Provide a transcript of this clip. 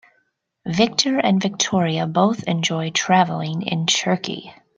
Victor and Victoria both enjoy traveling in Turkey.